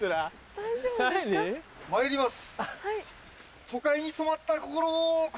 まいります。